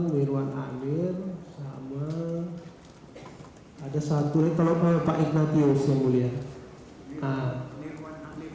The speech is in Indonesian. mirwan amir itu siapa